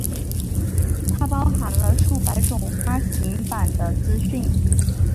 它包含了数百种发行版的资讯。